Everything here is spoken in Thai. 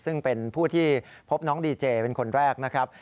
ซึ่งเป็นผู้ที่พบน้องดีเจเป็นคนแรกนะครับ